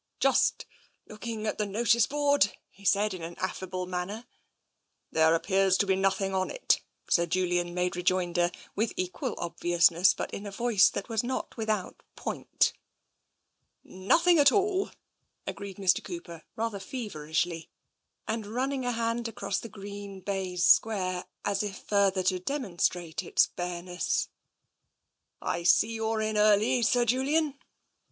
"Just looking at the notice board," he said, in an affable manner. "There appears to be nothing on it," Sir Julian made rejoinder, with equal obviousness, but in a voice that was not without point. " Nothing at all," agreed Mr. Cooper, rather fever ishly, and running a hand across the green baize square as though further to demonstrate its bareness. '* I see you're in early. Sir Julian."